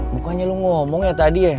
bukannya lo ngomong ya tadi ya